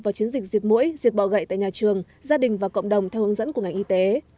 vào chiến dịch diệt mũi diệt bọ gậy tại nhà trường gia đình và cộng đồng theo hướng dẫn của ngành y tế